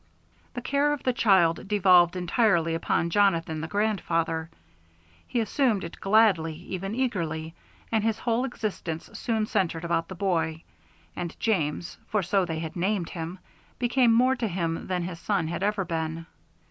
The care of the child devolved entirely upon Jonathan, the grandfather. He assumed it gladly, even eagerly, and his whole existence soon centred about the boy, and James for so they had named him became more to him than his son had ever been.